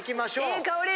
いい香り！